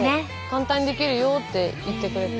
簡単にできるよって言ってくれて。